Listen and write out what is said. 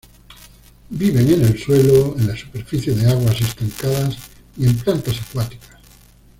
Viven en el suelo, en la superficie de aguas estancadas y en plantas acuáticas.